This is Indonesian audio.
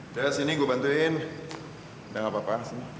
udah sini gue bantuin udah gapapa